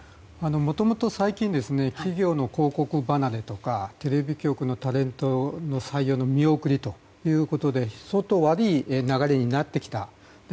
もともと最近企業の広告離れとかテレビ局のタレントの採用の見送りということで相当悪い流れになってきた。